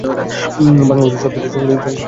বাংলা ঔষধ শব্দটি সংস্কৃত ভাষা থেকে আগত।